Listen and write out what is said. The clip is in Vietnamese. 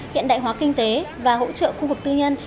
hiện đại hóa kinh tế và hỗ trợ khu vực tư nhân